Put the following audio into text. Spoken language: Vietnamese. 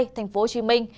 thành phố hồ chí minh